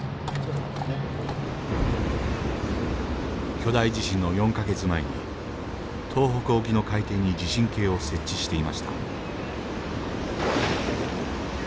巨大地震の４か月前に東北沖の海底に地震計を設置していました。